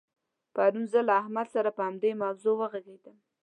پرون زه له احمد سره په همدې موضوع وغږېدلم.